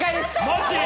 マジ？